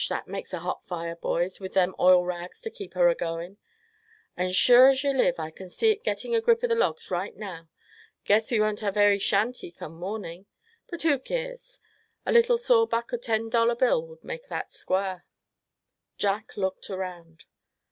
that makes a hot fire, boys, with them oil rags to keep her a goin'. And sure as yuh live I c'n see it getting a grip o' the logs right now. Guess we won't hev airy shanty, come morning. But who keers. A little saw buck o' a ten dollar bill wud make that squar." Jack looked around.